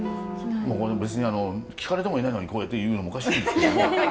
もうこれ別に聞かれてもいないのにこうやっていうのもおかしいんですけども。